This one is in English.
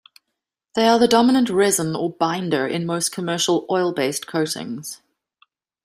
They are the dominant resin or "binder" in most commercial "oil-based" coatings.